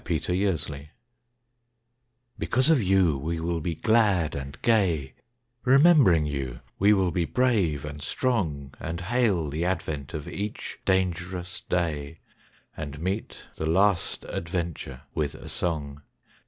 JULIAN GRENFELL Because of you we will be glad and gay, Remembering you, we will be brave and strong; And hail the advent of each dangerous day, And meet the last adventure with a song.